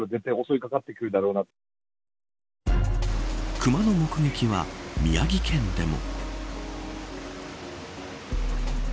クマの目撃は宮城県でも。